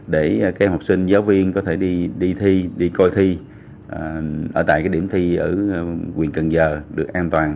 để các học sinh giáo viên có thể đi thi đi coi thi ở tại cái điểm thi ở quyền cần giờ được an toàn